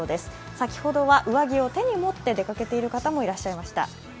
先ほどは上着を手に持って出かけている方もいらっしゃいました。